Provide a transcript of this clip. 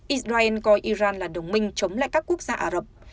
israel coi iran là đồng minh chống lại các quốc gia ả rập